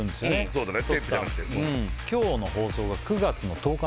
そうだね